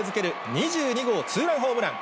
２２号ツーランホームラン。